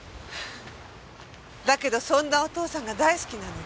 だけどそんなお父さんが大好きなのね。